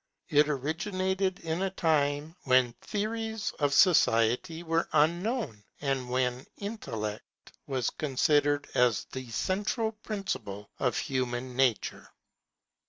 It originated in a time when theories of society were unknown, and when Intellect was considered as the central principle of human nature.